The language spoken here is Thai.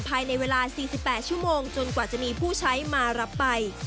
ภายในเวลา๔๘ชั่วโมงจนกว่าจะมีผู้ใช้มารับไป